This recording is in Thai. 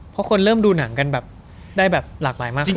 เพราะคนเริ่มดูหนังกันแบบได้แบบหลากหลายมากขึ้น